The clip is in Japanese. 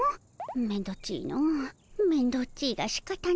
めんどっちいのめんどっちいがしかたないの。